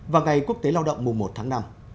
và ngày quốc tế lao động mùa một tháng năm